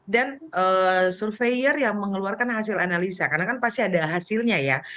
dan surveyor yang mengeluarkan hasil analisa karena kan pasti ada hasilnya ya